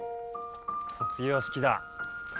卒業式だ。